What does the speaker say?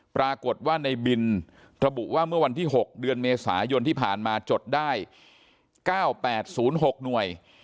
ปรากฏว่าในบินระบุว่าเมื่อวันที่๖เดือนเมษายนที่ผ่านมาจดได้๙๘๐๖หน่วย